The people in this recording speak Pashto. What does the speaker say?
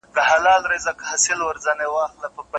کله کله د دې لپاره لیکل کیږي